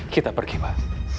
kita pergi pak